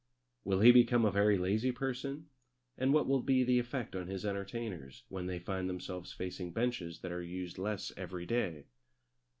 Will he become a very lazy person; and what will be the effect on his entertainers when they find themselves facing benches that are used less every day?